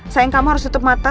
sayang kamu harus tutup mata